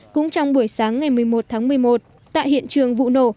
cũng trong buổi sáng ngày một mươi một tháng một mươi một tại hiện trường vụ nổ